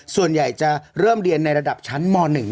ส่วนใหญ่จะเริ่มเรียนในระดับชั้นม๑